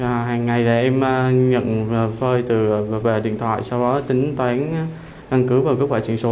hàng ngày em nhận phơi từ về điện thoại sau đó tính toán ngân cứu và các quả truyền số